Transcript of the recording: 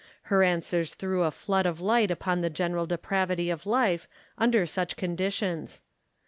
Her answers threw a flood of light upon the general depravity of life under such conditions.